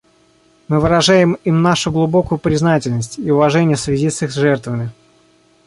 Мы выражаем им нашу глубокую признательность и уважение в связи с их жертвами.